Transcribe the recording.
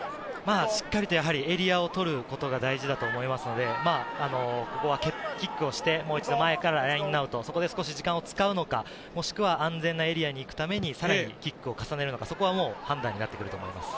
しっかりとエリアを取ることが大事だと思いますので、ここはキックをしてもう一度前からラインアウト、そこで時間を使うのか、もしくは安全なエリアに行くために、さらにキックを重ねるのか、その判断になってくると思います。